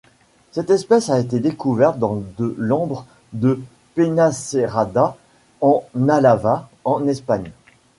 Cette espèce a été découverte dans de l'ambre de Peñacerrada en Álava en Espagne.